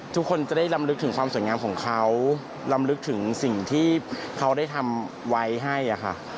ทุกคนจะได้ลำลึกถึงความสวยงามของเขาลำลึกถึงสิ่งที่เขาได้ทำไว้ให้อะค่ะ